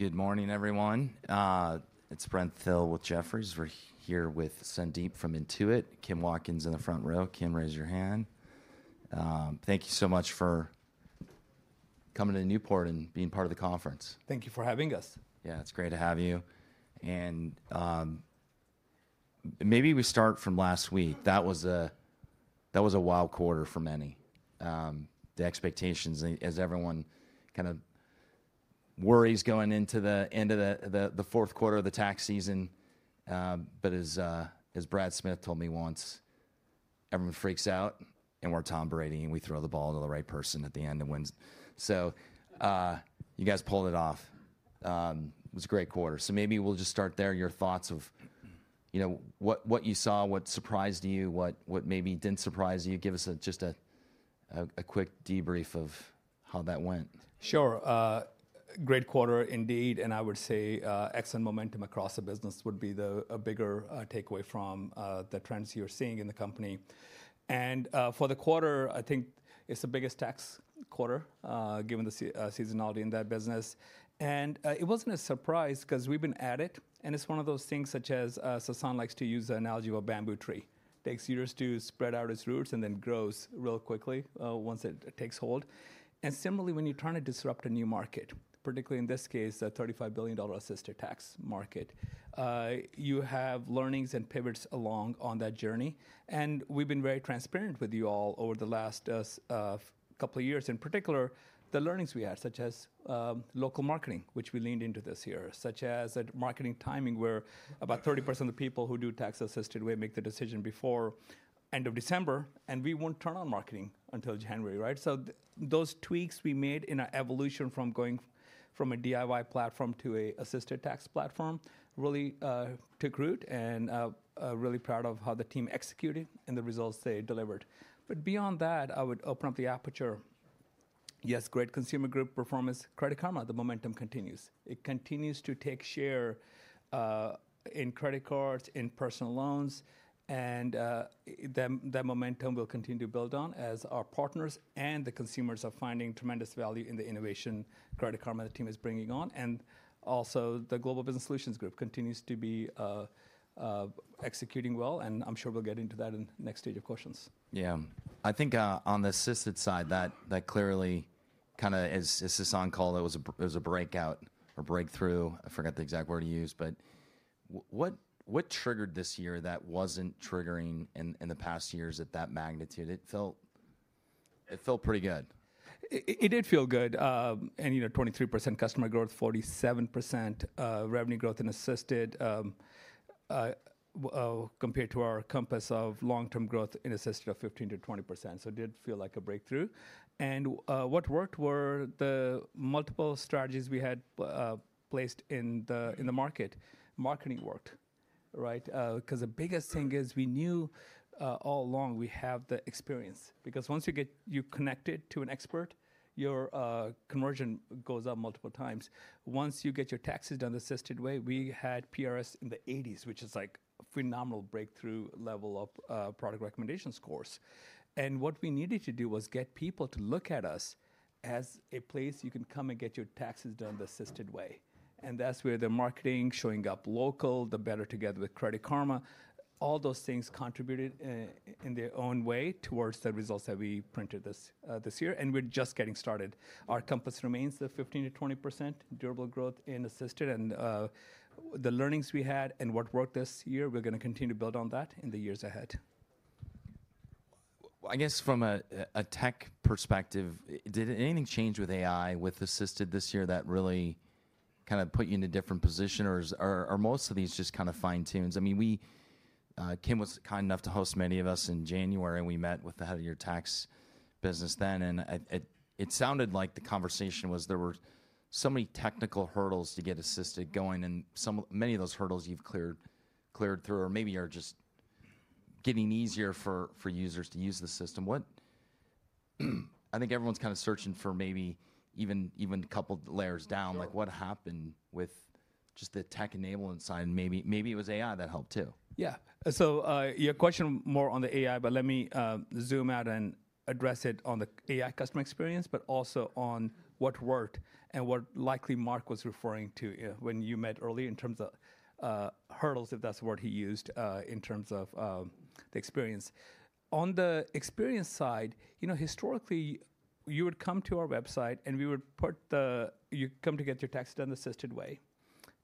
Good morning, everyone. It's Brent Thill with Jefferies. We're here with Sandeep from Intuit. Kim Watkins in the front row. Kim, raise your hand. Thank you so much for coming to Newport and being part of the conference. Thank you for having us. Yeah, it's great to have you. Maybe we start from last week. That was a wild quarter for many. The expectations, as everyone kind of worries going into the end of the fourth quarter of the tax season. As Brad Smith told me once, everyone freaks out, and we're Tom Brady and we throw the ball to the right person at the end and wins. You guys pulled it off. It was a great quarter. Maybe we'll just start there. Your thoughts of, you know, what you saw, what surprised you, what maybe didn't surprise you. Give us a quick debrief of how that went. Sure. Great quarter indeed. I would say, excellent momentum across the business would be the bigger takeaway from the trends you're seeing in the company. For the quarter, I think it's the biggest tax quarter, given the seasonality in that business. It wasn't a surprise because we've been at it. It's one of those things such as, Sasan likes to use the analogy of a bamboo tree. It takes years to spread out its roots and then grows real quickly, once it takes hold. Similarly, when you're trying to disrupt a new market, particularly in this case, the $35 billion assisted tax market, you have learnings and pivots along on that journey. We've been very transparent with you all over the last couple of years. In particular, the learnings we had, such as local marketing, which we leaned into this year, such as that marketing timing where about 30% of the people who do tax-assisted way make the decision before the end of December, and we will not turn on marketing until January, right? Those tweaks we made in our evolution from going from a DIY platform to an assisted tax platform really took root. I am really proud of how the team executed and the results they delivered. Beyond that, I would open up the aperture. Yes, great consumer group performance. Credit Karma, the momentum continues. It continues to take share in credit cards, in personal loans. That momentum will continue to build on as our partners and the consumers are finding tremendous value in the innovation Credit Karma team is bringing on. The Global Business Solutions Group continues to be executing well. I'm sure we'll get into that in the next stage of questions. Yeah. I think, on the assisted side, that clearly kind of is, as Sasan called it, it was a breakout or breakthrough. I forgot the exact word you used, but what triggered this year that was not triggering in the past years at that magnitude? It felt pretty good. It did feel good. And, you know, 23% customer growth, 47% revenue growth in assisted, compared to our compass of long-term growth in assisted of 15%-20%. It did feel like a breakthrough. What worked were the multiple strategies we had placed in the market. Marketing worked, right? Because the biggest thing is we knew, all along we have the experience because once you get—you're connected to an expert, your conversion goes up multiple times. Once you get your taxes done the assisted way, we had PRS in the 80s, which is like a phenomenal breakthrough level of product recommendation scores. What we needed to do was get people to look at us as a place you can come and get your taxes done the assisted way. That is where the marketing showing up local, the better together with Credit Karma, all those things contributed, in their own way towards the results that we printed this year. We are just getting started. Our compass remains the 15%-20% durable growth in assisted. The learnings we had and what worked this year, we are going to continue to build on that in the years ahead. I guess from a tech perspective, did anything change with AI with assisted this year that really kind of put you in a different position? Or are most of these just kind of fine-tunes? I mean, we, Kim was kind enough to host many of us in January. We met with the head of your tax business then. It sounded like the conversation was there were so many technical hurdles to get assisted going. And some, many of those hurdles you've cleared, cleared through, or maybe are just getting easier for users to use the system. What—I think everyone's kind of searching for maybe even, even a couple layers down, like what happened with just the tech enablement side. And maybe it was AI that helped too. Yeah. Your question more on the AI, but let me zoom out and address it on the AI customer experience, but also on what worked and what likely Mark was referring to when you met earlier in terms of hurdles, if that's the word he used, in terms of the experience. On the experience side, you know, historically, you would come to our website and we would put the—you come to get your tax done the assisted way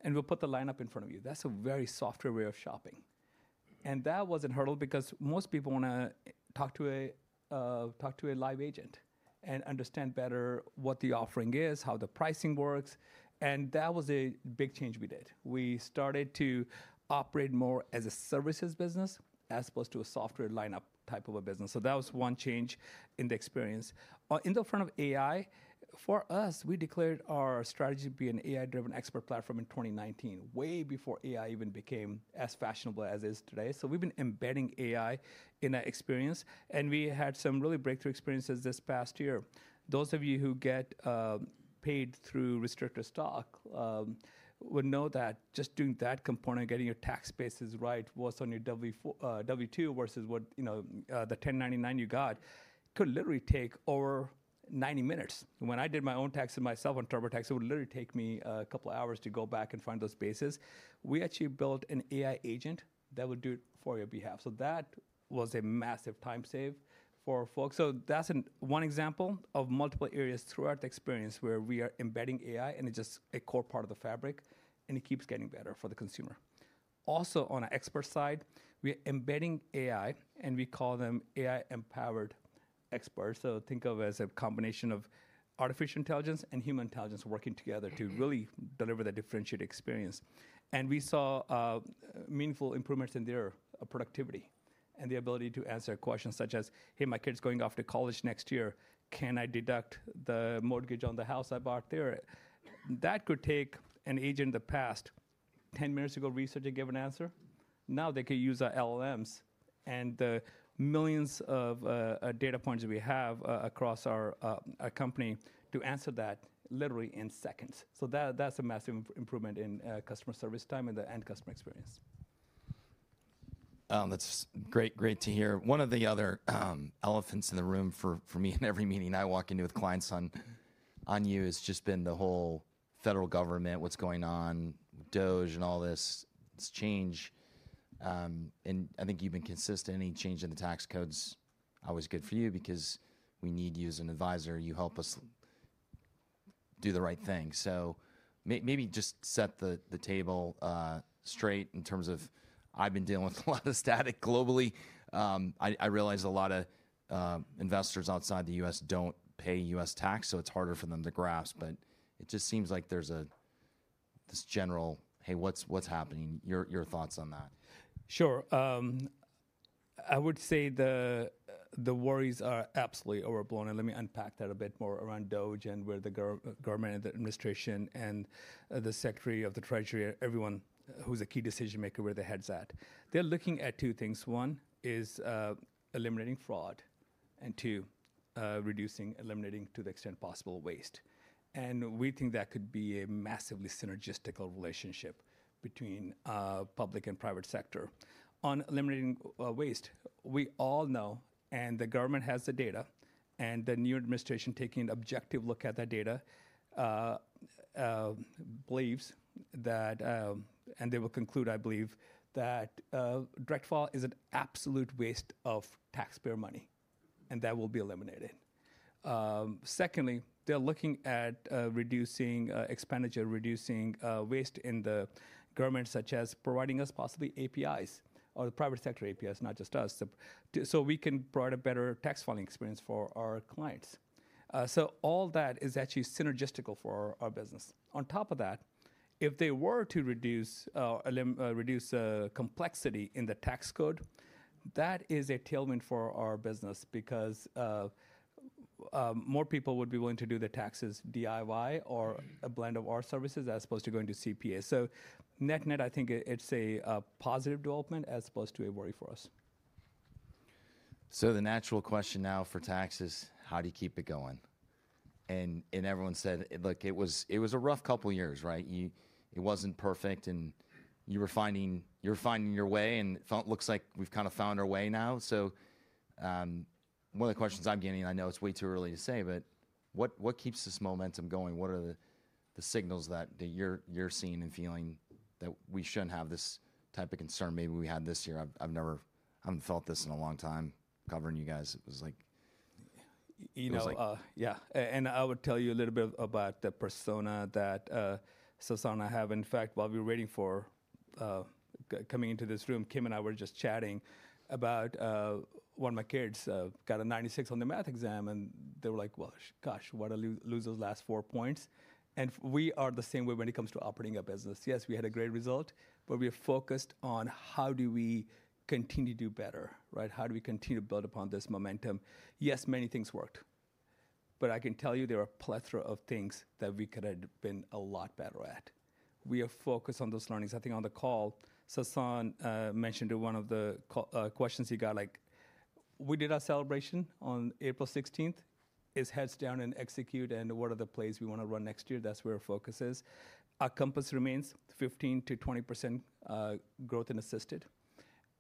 and we'll put the lineup in front of you. That's a very software way of shopping. That was a hurdle because most people want to talk to a, talk to a live agent and understand better what the offering is, how the pricing works. That was a big change we did. We started to operate more as a services business as opposed to a software lineup type of a business. That was one change in the experience. In the front of AI, for us, we declared our strategy to be an AI-driven expert platform in 2019, way before AI even became as fashionable as it is today. We have been embedding AI in our experience. We had some really breakthrough experiences this past year. Those of you who get paid through restricted stock would know that just doing that component, getting your tax bases right, what's on your W-4, W-2 versus what, you know, the 1099 you got, could literally take over 90 minutes. When I did my own tax and myself on TurboTax, it would literally take me a couple of hours to go back and find those bases. We actually built an AI agent that would do it for your behalf. That was a massive time save for folks. That is one example of multiple areas throughout the experience where we are embedding AI and it is just a core part of the fabric and it keeps getting better for the consumer. Also on the expert side, we are embedding AI and we call them AI-empowered experts. Think of it as a combination of artificial intelligence and human intelligence working together to really deliver the differentiated experience. We saw meaningful improvements in their productivity and the ability to answer questions such as, "Hey, my kid's going off to college next year. Can I deduct the mortgage on the house I bought there?" That could take an agent in the past 10 minutes to go research and give an answer. Now they can use our LLMs and the millions of data points we have across our company to answer that literally in seconds. That is a massive improvement in customer service time and the end customer experience. That's great. Great to hear. One of the other elephants in the room for me in every meeting I walk into with clients on you has just been the whole federal government, what's going on, DOGE and all this change. I think you've been consistent. Any change in the tax codes is always good for you because we need you as an advisor. You help us do the right thing. Maybe just set the table straight in terms of I've been dealing with a lot of static globally. I realize a lot of investors outside the U.S. don't pay U.S. tax, so it's harder for them to grasp. It just seems like there's this general, "Hey, what's—what's happening?" Your thoughts on that. Sure. I would say the worries are absolutely overblown. Let me unpack that a bit more around DOGE and where the government and the administration and the Secretary of the Treasury, everyone who's a key decision maker, where their heads are at. They're looking at two things. One is eliminating fraud and two, reducing, eliminating to the extent possible, waste. We think that could be a massively synergistic relationship between public and private sector. On eliminating waste, we all know, and the government has the data, and the new administration taking an objective look at that data, believes that, and they will conclude, I believe, that direct fall is an absolute waste of taxpayer money, and that will be eliminated. Secondly, they're looking at reducing expenditure, reducing waste in the government, such as providing us possibly APIs or the private sector APIs, not just us, so we can provide a better tax filing experience for our clients. All that is actually synergistical for our business. On top of that, if they were to reduce complexity in the tax code, that is a tailwind for our business because more people would be willing to do the taxes DIY or a blend of our services as opposed to going to CPS. Net-net, I think it's a positive development as opposed to a worry for us. The natural question now for tax is, how do you keep it going? Everyone said, look, it was—it was a rough couple of years, right? It wasn't perfect. You were finding your way. It looks like we've kind of found our way now. One of the questions I'm getting, and I know it's way too early to say, but what keeps this momentum going? What are the signals that you're seeing and feeling that we shouldn't have this type of concern? Maybe we had this year. I've never—I haven't felt this in a long time covering you guys. It was like. You know, yeah. I would tell you a little bit about the persona that Sasan and I have. In fact, while we were waiting for coming into this room, Kim and I were just chatting about one of my kids got a 96 on the math exam, and they were like, "Well, gosh, why did I lose those last four points?" We are the same way when it comes to operating a business. Yes, we had a great result, but we are focused on how do we continue to do better, right? How do we continue to build upon this momentum? Yes, many things worked, but I can tell you there are a plethora of things that we could have been a lot better at. We are focused on those learnings. I think on the call, Sasan mentioned one of the questions you got, like, we did our celebration on April 16th. It's heads down and execute, and what are the plays we want to run next year? That's where our focus is. Our compass remains 15%-20% growth in assisted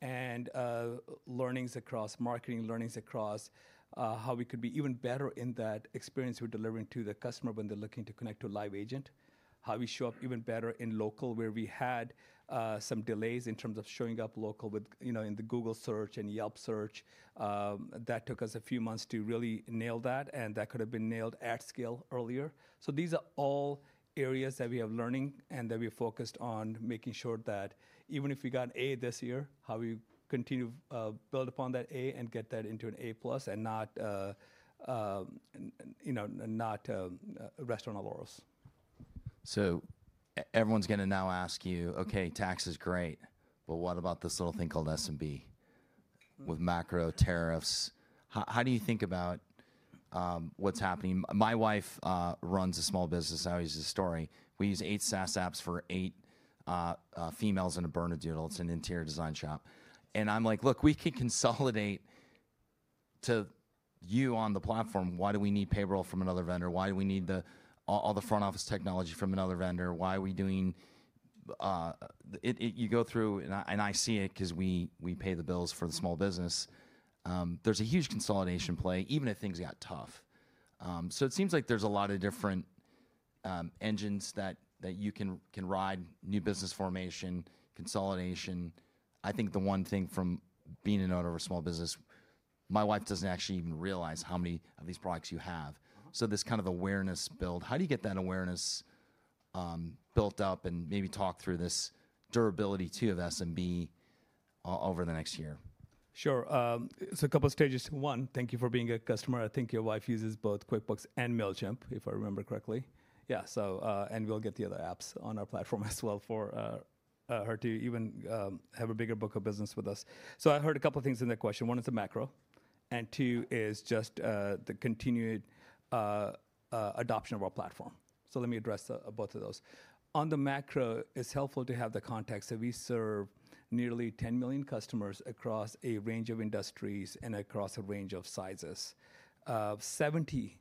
and learnings across marketing, learnings across how we could be even better in that experience we're delivering to the customer when they're looking to connect to a live agent, how we show up even better in local, where we had some delays in terms of showing up local with, you know, in the Google search and Yelp search. That took us a few months to really nail that, and that could have been nailed at scale earlier. These are all areas that we have learning and that we are focused on making sure that even if we got an A this year, how we continue, build upon that A and get that into an A plus and not, you know, not, rest on our laurels. Everyone's going to now ask you, "Okay, tax is great, but what about this little thing called SMB with macro tariffs?" How do you think about, what's happening? My wife runs a small business. I always use this story. We use eight SaaS apps for eight females and a burner doodle. It's an interior design shop. I'm like, "Look, we can consolidate to you on the platform. Why do we need payroll from another vendor? Why do we need all the front office technology from another vendor? Why are we doing it? You go through and I see it because we pay the bills for the small business." There's a huge consolidation play even if things got tough. It seems like there's a lot of different engines that you can ride: new business formation, consolidation. I think the one thing from being an owner of a small business, my wife doesn't actually even realize how many of these products you have. This kind of awareness build, how do you get that awareness built up and maybe talk through this durability too of SMB over the next year? Sure. It's a couple of stages. One, thank you for being a customer. I think your wife uses both QuickBooks and Mailchimp, if I remember correctly. Yeah. We'll get the other apps on our platform as well for her to even have a bigger book of business with us. I heard a couple of things in that question. One is the macro, and two is just the continued adoption of our platform. Let me address both of those. On the macro, it's helpful to have the context that we serve nearly 10 million customers across a range of industries and across a range of sizes. 70%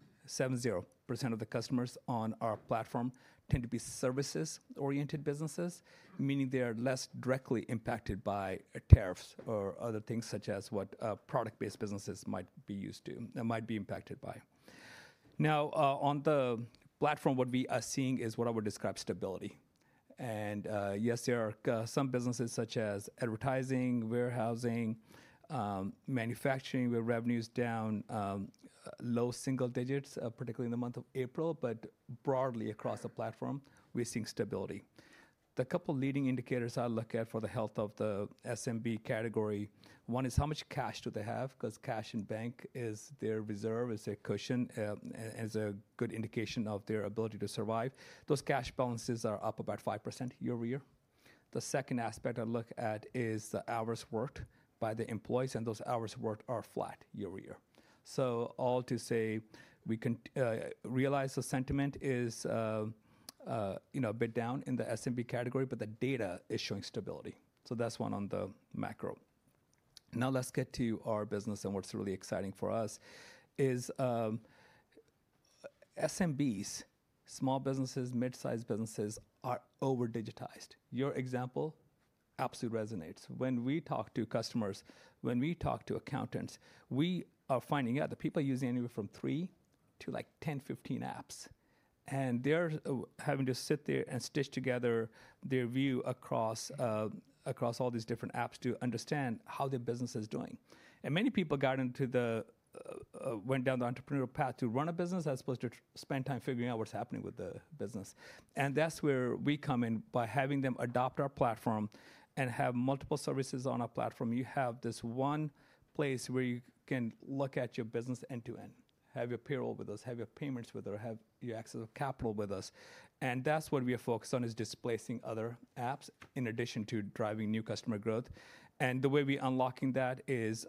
of the customers on our platform tend to be services-oriented businesses, meaning they are less directly impacted by tariffs or other things such as what product-based businesses might be used to, might be impacted by. Now, on the platform, what we are seeing is what I would describe as stability. Yes, there are some businesses such as advertising, warehousing, manufacturing with revenues down, low single digits, particularly in the month of April, but broadly across the platform, we're seeing stability. The couple of leading indicators I look at for the health of the SMB category, one is how much cash do they have? Because cash in bank is their reserve, is their cushion, is a good indication of their ability to survive. Those cash balances are up about 5% year over year. The second aspect I look at is the hours worked by the employees, and those hours worked are flat year over year. All to say we can realize the sentiment is, you know, a bit down in the SMB category, but the data is showing stability. That's one on the macro. Now let's get to our business and what's really exciting for us is, SMBs, small businesses, mid-sized businesses are over-digitized. Your example absolutely resonates. When we talk to customers, when we talk to accountants, we are finding out that people are using anywhere from three to 10, 15 apps. They're having to sit there and stitch together their view across all these different apps to understand how their business is doing. Many people got into the, went down the entrepreneurial path to run a business as opposed to spend time figuring out what's happening with the business. That's where we come in by having them adopt our platform and have multiple services on our platform. You have this one place where you can look at your business end to end, have your payroll with us, have your payments with us, have your excess of capital with us. That is what we are focused on, displacing other apps in addition to driving new customer growth. The way we're unlocking that is,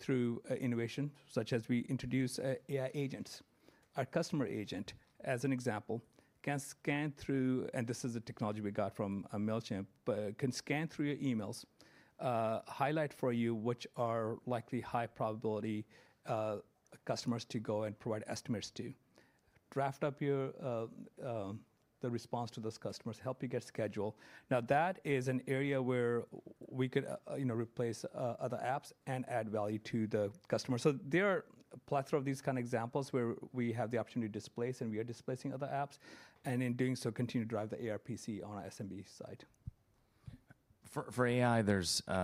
through innovation such as we introduce AI agents. Our customer agent, as an example, can scan through, and this is the technology we got from MailChimp, but can scan through your emails, highlight for you which are likely high probability customers to go and provide estimates to, draft up your, the response to those customers, help you get scheduled. Now, that is an area where we could, you know, replace other apps and add value to the customer. There are a plethora of these kind of examples where we have the opportunity to displace, and we are displacing other apps, and in doing so, continue to drive the ARPC on our SMB side. For AI, the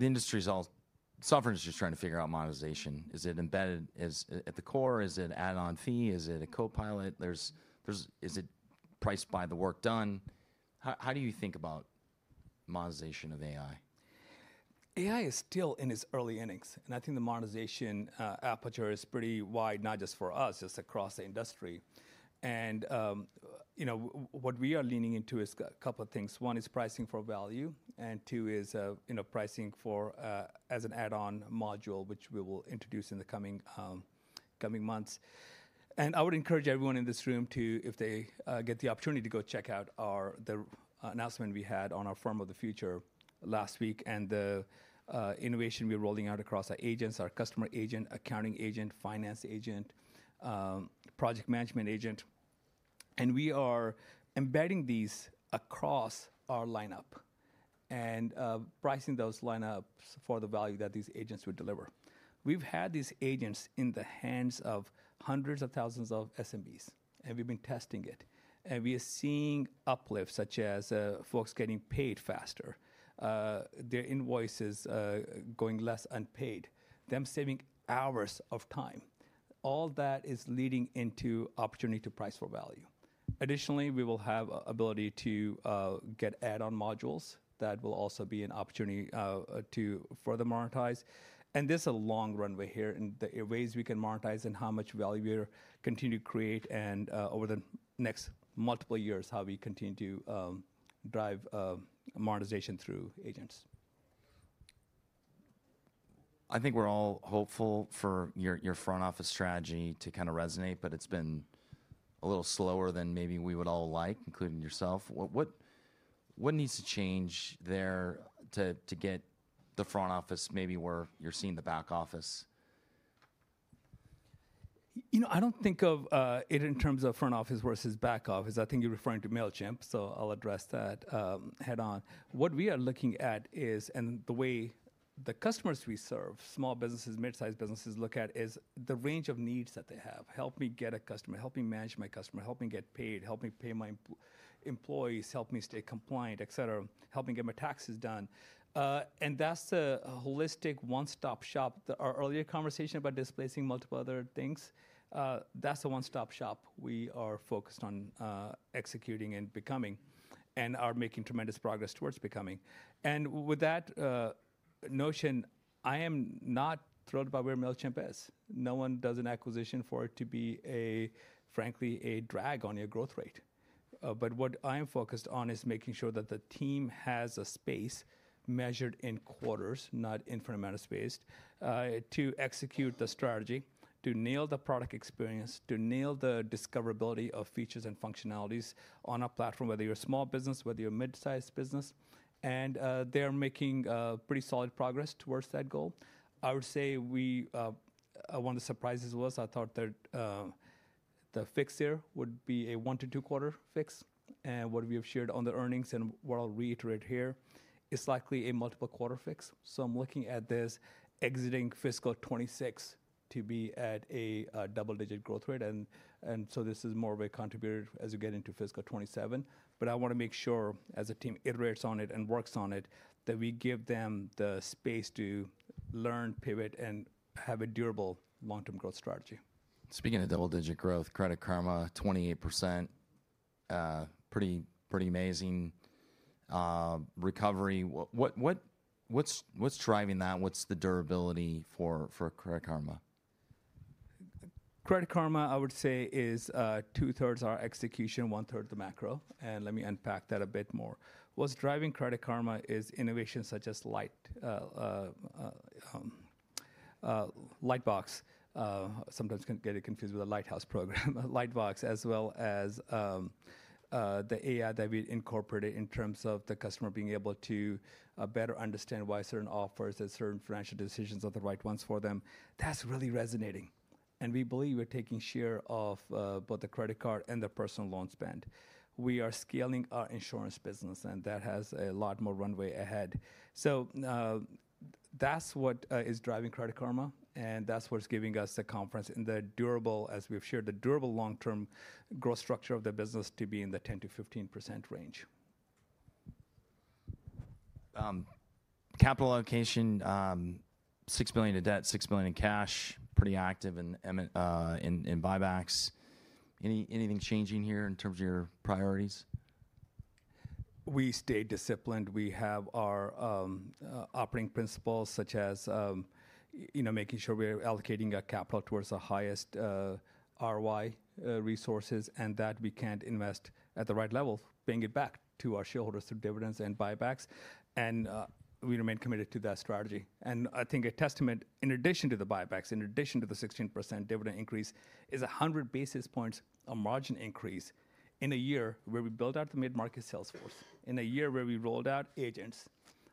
industry's all, software industry's trying to figure out monetization. Is it embedded at the core? Is it add-on fee? Is it a copilot? Is it priced by the work done? How do you think about monetization of AI? AI is still in its early innings, and I think the monetization aperture is pretty wide, not just for us, it's across the industry. You know, what we are leaning into is a couple of things. One is pricing for value, and two is, you know, pricing for, as an add-on module, which we will introduce in the coming months. I would encourage everyone in this room to, if they get the opportunity, go check out our announcement we had on our firm of the future last week and the innovation we're rolling out across our agents, our customer agent, accounting agent, finance agent, project management agent. We are embedding these across our lineup and pricing those lineups for the value that these agents would deliver. We've had these agents in the hands of hundreds of thousands of SMBs, and we've been testing it, and we are seeing uplifts such as folks getting paid faster, their invoices going less unpaid, them saving hours of time. All that is leading into opportunity to price for value. Additionally, we will have an ability to get add-on modules that will also be an opportunity to further monetize. This is a long runway here in the ways we can monetize and how much value we're continuing to create and, over the next multiple years, how we continue to drive monetization through agents. I think we're all hopeful for your front office strategy to kind of resonate, but it's been a little slower than maybe we would all like, including yourself. What needs to change there to get the front office maybe where you're seeing the back office? You know, I don't think of it in terms of front office versus back office. I think you're referring to MailChimp, so I'll address that head on. What we are looking at is, and the way the customers we serve, small businesses, mid-sized businesses look at is the range of needs that they have. Help me get a customer, help me manage my customer, help me get paid, help me pay my employees, help me stay compliant, et cetera, help me get my taxes done. That is the holistic one-stop shop. The earlier conversation about displacing multiple other things, that's the one-stop shop we are focused on, executing and becoming and are making tremendous progress towards becoming. With that notion, I am not thrilled about where MailChimp is. No one does an acquisition for it to be, frankly, a drag on your growth rate. What I'm focused on is making sure that the team has a space measured in quarters, not infinite amount of space, to execute the strategy, to nail the product experience, to nail the discoverability of features and functionalities on a platform, whether you're a small business, whether you're a mid-sized business. They're making pretty solid progress towards that goal. I would say we, one of the surprises was I thought that the fix here would be a one to two-quarter fix. What we have shared on the earnings and what I'll reiterate here is likely a multiple-quarter fix. I'm looking at this exiting fiscal 2026 to be at a double-digit growth rate. This is more of a contributor as we get into fiscal 2027. I want to make sure as a team iterates on it and works on it that we give them the space to learn, pivot, and have a durable long-term growth strategy. Speaking of double-digit growth, Credit Karma, 28%, pretty amazing recovery. What’s driving that? What’s the durability for Credit Karma? Credit Karma, I would say is, 2/3 our execution, 1/3 the macro. Let me unpack that a bit more. What's driving Credit Karma is innovations such as Lightbox. Sometimes can get it confused with a lighthouse program, Lightbox, as well as the AI that we incorporated in terms of the customer being able to better understand why certain offers and certain financial decisions are the right ones for them. That's really resonating. We believe we're taking share of both the credit card and the personal loan spend. We are scaling our insurance business, and that has a lot more runway ahead. That's what is driving Credit Karma, and that's what's giving us the confidence in the durable, as we've shared, the durable long-term growth structure of the business to be in the 10%-15% range. Capital allocation, $6 million in debt, $6 million in cash, pretty active in buybacks. Anything changing here in terms of your priorities? We stay disciplined. We have our operating principles such as, you know, making sure we're allocating our capital towards the highest ROI resources and that if we can't invest at the right level, paying it back to our shareholders through dividends and buybacks. We remain committed to that strategy. I think a testament, in addition to the buybacks, in addition to the 16% dividend increase, is 100 basis points of margin increase in a year where we built out the mid-market Salesforce, in a year where we rolled out agents,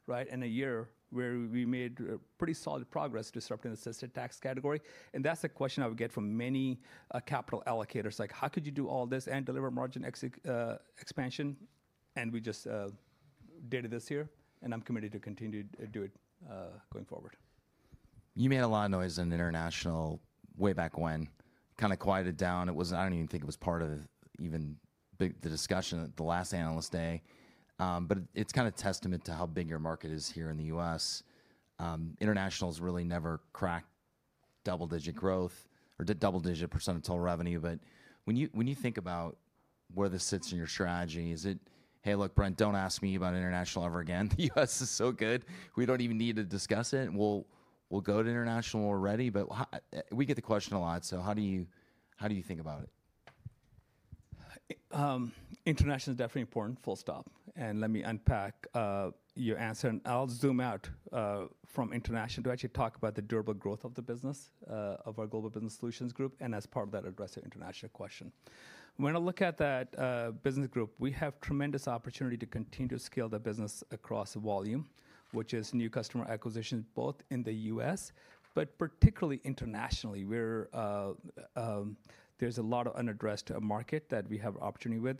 right, in a year where we made pretty solid progress disrupting the assisted tax category. That's the question I would get from many capital allocators, like, how could you do all this and deliver margin exit, expansion? We just did it this year, and I'm committed to continue to do it, going forward. You made a lot of noise in international way back when, kind of quieted down. It wasn't, I don't even think it was part of even the discussion at the last analyst day. It's kind of a testament to how big your market is here in the U.S. International's really never cracked double-digit growth or double-digit percent revenue. When you think about where this sits in your strategy, is it, hey, look, Brent, don't ask me about international ever again. The U.S. is so good. We don't even need to discuss it. We'll go to international already. We get the question a lot. How do you think about it? International is definitely important. Full stop. Let me unpack your answer. I'll zoom out from international to actually talk about the durable growth of the business, of our Global Business Solutions Group. As part of that, I'll address the international question. When I look at that business group, we have tremendous opportunity to continue to scale the business across volume, which is new customer acquisitions, both in the U.S., but particularly internationally, where there's a lot of unaddressed market that we have opportunity with,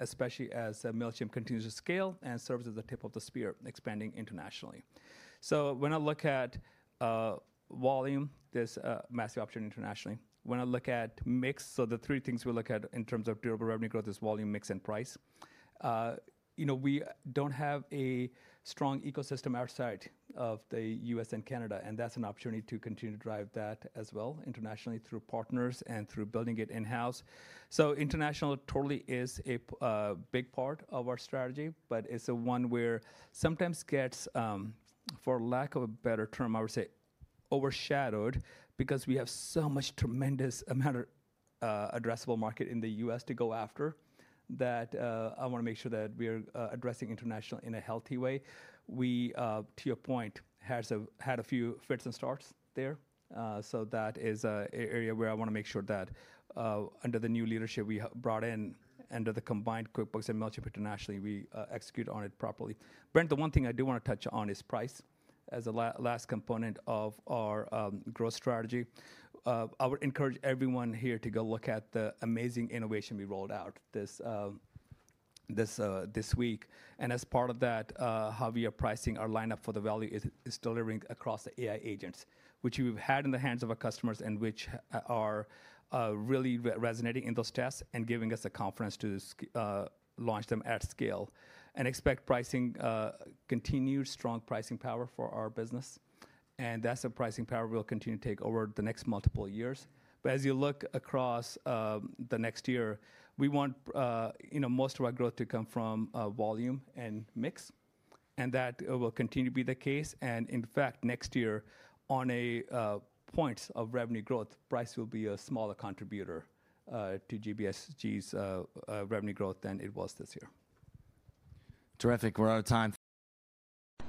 especially as Mailchimp continues to scale and serves as the tip of the spear, expanding internationally. When I look at volume, there's a massive opportunity internationally. When I look at mix, the three things we look at in terms of durable revenue growth are volume, mix, and price. You know, we do not have a strong ecosystem outside of the U.S. and Canada, and that is an opportunity to continue to drive that as well internationally through partners and through building it in-house. International totally is a big part of our strategy, but it is one where sometimes gets, for lack of a better term, I would say overshadowed because we have so much tremendous amount of addressable market in the U.S. to go after that I want to make sure that we are addressing international in a healthy way. We, to your point, have had a few fits and starts there. That is an area where I want to make sure that, under the new leadership we have brought in, under the combined QuickBooks and MailChimp internationally, we execute on it properly. Brent, the one thing I do want to touch on is price as a last component of our growth strategy. I would encourage everyone here to go look at the amazing innovation we rolled out this week. As part of that, how we are pricing our lineup for the value is delivering across the AI agents, which we've had in the hands of our customers and which are really resonating in those tests and giving us the confidence to launch them at scale. Expect continued strong pricing power for our business. That is a pricing power we will continue to take over the next multiple years. As you look across the next year, we want, you know, most of our growth to come from volume and mix. That will continue to be the case. In fact, next year on a points of revenue growth, price will be a smaller contributor to GBSG's revenue growth than it was this year. Terrific. We're out of time.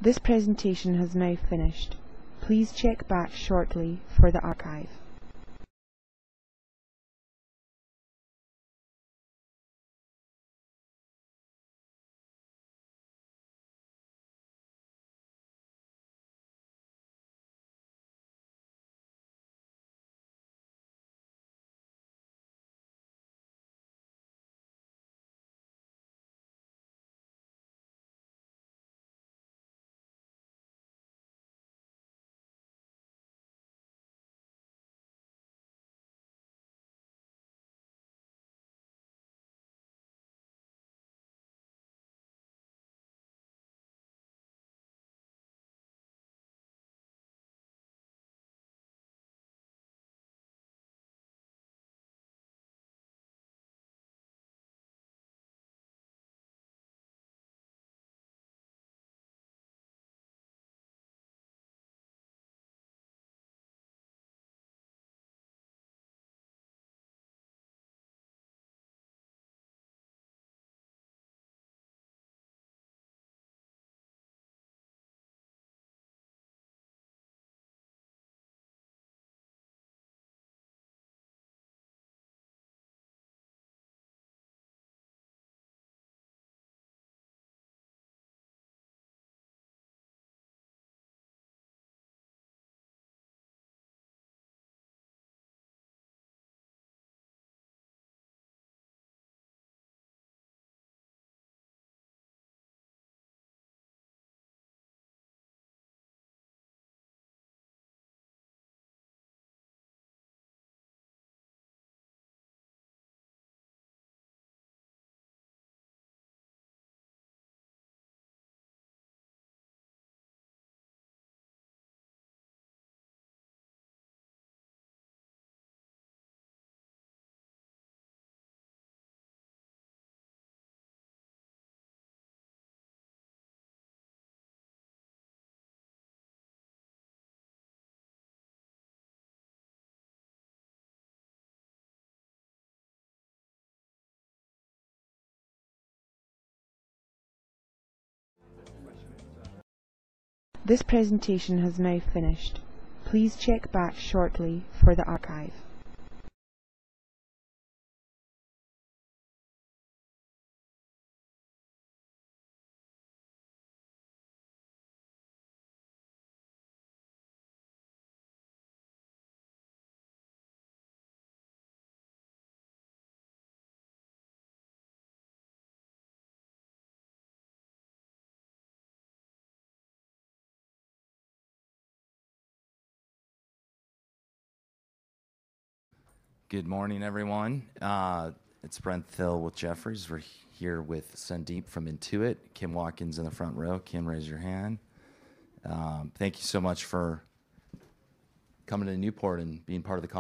This presentation has now finished. Please check back shortly for the archive. Good morning, everyone. It's Brent Thill with Jefferies. We're here with Sandeep from Intuit. Kim Watkins in the front row. Kim, raise your hand. Thank you so much for coming to Newport and being part of the.